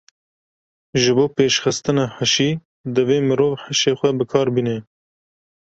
Ji bo pêşxistina hişî, divê mirov hişê xwe bi kar bîne.